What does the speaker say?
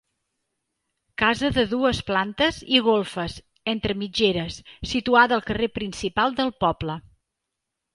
Casa de dues plantes i golfes, entre mitgeres, situada al carrer principal del poble.